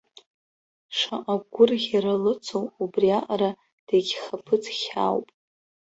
Шаҟа агәырӷьара лыцу, убриаҟара дегьхаԥыц хьаауп.